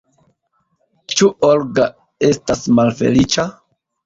Ĉu Olga estas malfeliĉa?